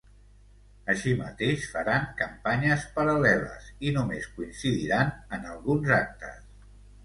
Així mateix, faran campanyes paral·leles i només coincidiran en alguns actes.